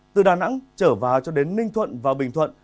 từ đà nẵng trở vào cho đến ninh thuận và bình thuận